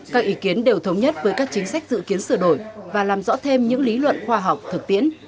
các ý kiến đều thống nhất với các chính sách dự kiến sửa đổi và làm rõ thêm những lý luận khoa học thực tiễn